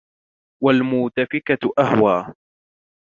والمؤتفكة أهوى